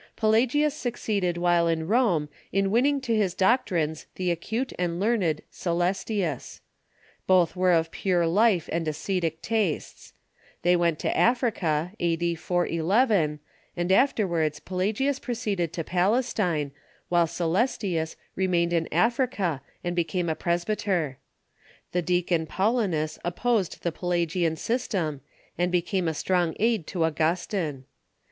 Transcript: Pelagius succeeded while in Rome in winning to his doc 62 TUB EARLY CHURCH trines tbe acute and learned Coelestius. Both were of j^ure ^. life and ascetic tastes. They went to Africa, a.d. Spread of n t » i • the Pelagian 411, and afterwards Pelagius proceeded to Pales Controversy ii^Q^ while Coelestius remained in Africa and be came a presbyter. The deacon Paulinus opposed the Pela gian system, and became a strong aid to Augustine.